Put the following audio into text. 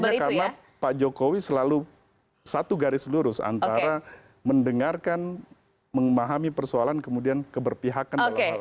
makanya karena pak jokowi selalu satu garis lurus antara mendengarkan memahami persoalan kemudian keberpihakan dalam hal ini